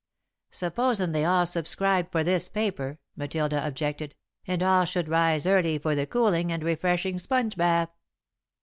'" "Supposin' they all subscribed for this paper," Matilda objected, "and all should rise early for the cooling and refreshing sponge bath?"